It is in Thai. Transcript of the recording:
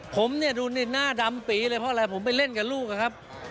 ผมเนี่ยดูนี่หน้าดำปีเลยเพราะอะไรผมไปเล่นกับลูกอะครับ